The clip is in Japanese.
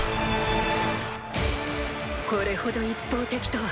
これほど一方的とは。